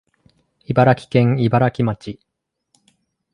茨城県茨城町